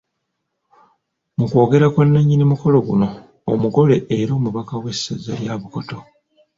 Mu kwogera kwa nnannyini mukolo guno, omugole era omubaka w’essaza lya Bukoto.